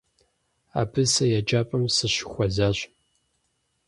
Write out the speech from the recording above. Абы сэ еджапӏэм сыщыхуэзащ.